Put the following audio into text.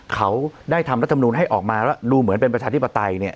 เขาได้ทำรัฐมนูลให้ออกมาแล้วดูเหมือนเป็นประชาธิปไตยเนี่ย